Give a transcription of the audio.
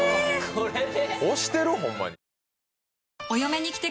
これで？